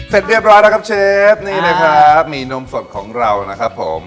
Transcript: เสร็จเรียบร้อยแล้วครับเชฟนี่นะครับมีนมสดของเรานะครับผม